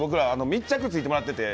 密着してもらってて。